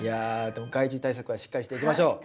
でも害虫対策はしっかりしていきましょう。